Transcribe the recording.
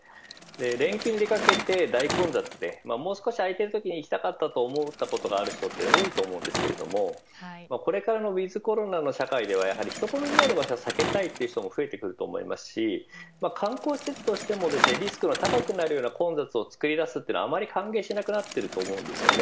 連休にかけて大混雑でもう少し開いている時に行きたかったと思ったことがある人は多いと思うんですがこれからのウィズコロナの社会では人混みになる場所は避けたいという人も増えてくると思いますし、観光施設としてもリスクが高くなる混雑を作り出すのはあまり歓迎しなくなっていると思います。